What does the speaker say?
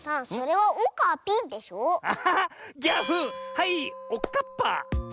はいおっかっぱ！